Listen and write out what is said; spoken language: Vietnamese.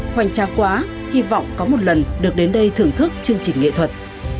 hoành cha quá hy vọng có một lần được đến đây thưởng thức chương trình nghệ thuật